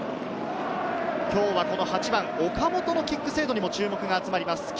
今日は８番・岡本のキック精度にも注目が集まります。